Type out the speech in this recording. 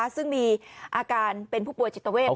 ซึ่งมีอาการเป็นผู้ป่วยจิตเวท